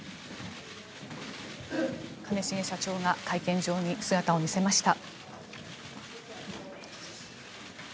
兼重社長が会見場に姿を見せました。